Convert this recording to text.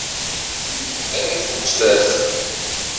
Berriz, mesedez.